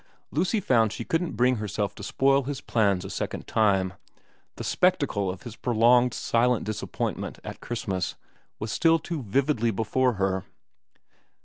Lucy found she couldn't bring herself to spoil his plans a second time ; the spectacle of his prolonged silent disappoint ment at Christmas was still too vividly before her.